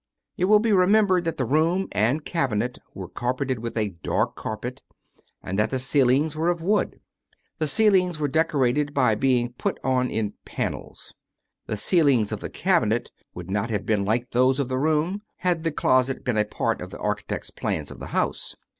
... It will be remembered that the room and cabinet were carpeted with a dark carpet, and that the ceilings were of wood. The ceilings were decorated by being put on in panels. The ceiling of the cabinet would not have been like that of the room had the closet been a part of the architect's plans of the house.